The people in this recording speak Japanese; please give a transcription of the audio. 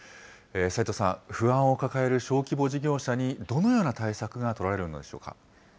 斉藤さん、不安を抱える小規模事業者にどのような対策が取られるのでしょうか。